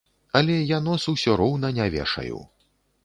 Але я нос ўсё роўна не вешаю!